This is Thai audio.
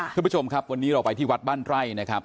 คุณผู้ชมครับวันนี้เราไปที่วัดบ้านไร่นะครับ